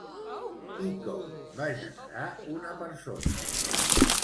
I com va generar una persona?